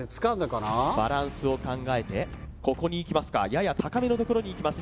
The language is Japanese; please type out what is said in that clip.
バランスを考えてここにいきますかやや高めのところにいきます